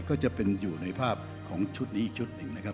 ก็จะเป็นอยู่ในภาพของชุดนี้อีกชุดหนึ่งนะครับ